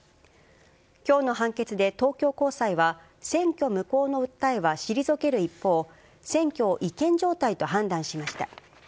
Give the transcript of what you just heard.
きょうの判決で東京高裁は、選挙無効の訴えは退ける一方、選挙を違憲状態と判断しました。